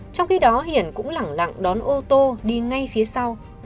trong khi đó hiển cũng lẳng lặng đón ô tô đi ngay phía sau